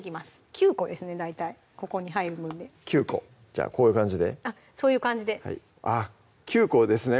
９個ですね大体ここに入る分で９個じゃあこういう感じでそういう感じであっ９個ですね